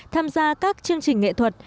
tham gia các chương trình nghệ thuật